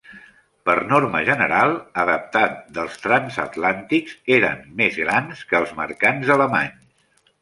Per norma general, adaptat dels transatlàntics, eren més grans que els mercants alemanys.